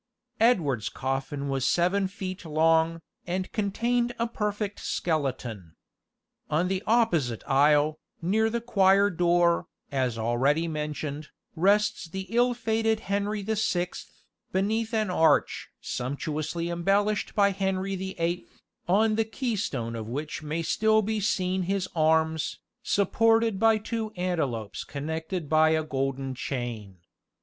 Edward's coffin was seven feet long, and contained a perfect skeleton. On the opposite aisle, near the choir door, as already mentioned, rests the ill fated Henry the Sixth, beneath an arch sumptuously embellished by Henry the Eighth, on the key stone of which may still be seen his arms, supported by two antelopes connected by a golden chain.